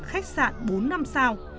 khách sạn bốn năm sao